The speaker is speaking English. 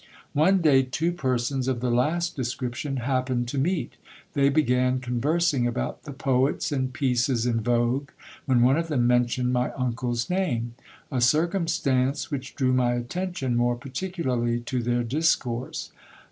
One day, two persons of the last description happened to meet. They began con versing about the poets and pieces in vogue, when one of them mentioned my uncle's name : a circumstance which drew my attention more particularly to their discourse.